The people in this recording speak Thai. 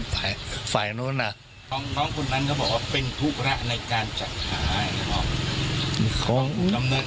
หลายปีแล้ว